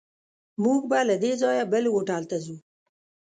موږ به له دې ځایه بل هوټل ته ځو.